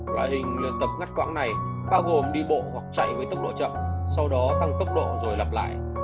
loại hình lượt tập ngắt quãng này bao gồm đi bộ hoặc chạy với tốc độ chậm sau đó tăng tốc độ rồi lặp lại